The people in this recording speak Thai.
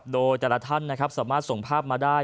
โดยแต่ละท่านสามารถส่งภาพมาได้